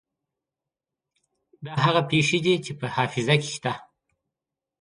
دا هغه پېښې دي چې په حافظه کې شته.